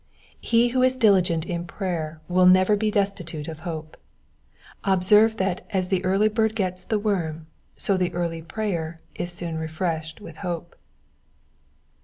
He who is diligent in prayer will never be destitute of hope. Observe that as the early bird gets the worm, so the early prayer is soon refreshed with hope.